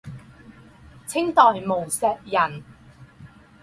清代无锡人。